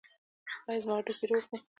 ایا زما هډوکي روغ دي؟